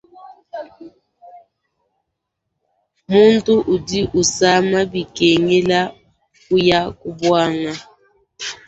Mutu udi usama bikengela kuya ku buanga.